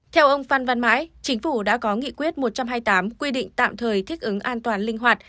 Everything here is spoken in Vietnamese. theo ông phan văn mãi chính phủ đã có nghị quyết một trăm hai mươi tám quy định tạm thời thích ứng an toàn linh hoạt